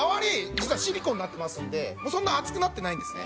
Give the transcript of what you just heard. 実はシリコンになってますのでそんなに熱くなってないんですね。